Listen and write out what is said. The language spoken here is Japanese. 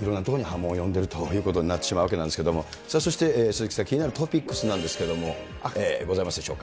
いろんなところに波紋を呼んでいるということになってしまうわけですけれども、そして鈴木さん、気になるトピックスなんですけれども、ございますでしょうか。